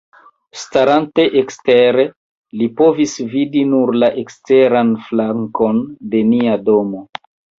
Starante ekstere, li povis vidi nur la eksteran flankon de nia domo.